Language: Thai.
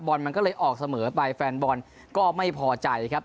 มันก็เลยออกเสมอไปแฟนบอลก็ไม่พอใจครับ